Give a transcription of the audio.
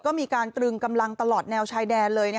ก็มีการตรึงกำลังตลอดแนวชายแดนเลย